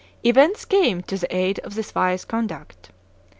Events came to the aid of this wise conduct.